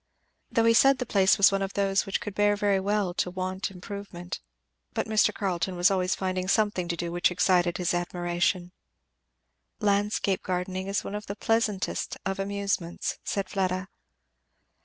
Though he said the place was one of those which could bear very well to want improvement; but Carleton was always finding something to do which excited his admiration. "Landscape gardening is one of the pleasantest of amusements," said Fleda.